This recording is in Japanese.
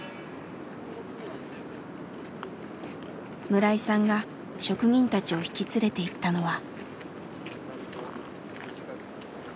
村井さんが職人たちを引き連れて行ったのは。